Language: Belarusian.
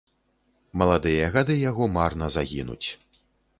Маладыя гады яго марна загінуць.